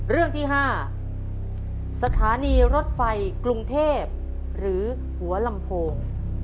เรื่องที่๕สถานีรถไฟกรุงเทพหรือหัวลำโพง